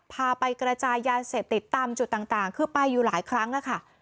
พาไปกระจายยาเสพติดตามจุดต่างคือไปอยู่หลายครั้งค่ะ